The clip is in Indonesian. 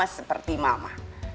sama seperti mama